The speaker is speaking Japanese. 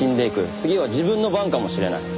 次は自分の番かもしれない。